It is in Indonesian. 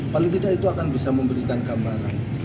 paling tidak itu akan bisa memberikan gambaran